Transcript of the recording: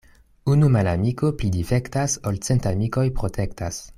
Unu malamiko pli difektas, ol cent amikoj protektas.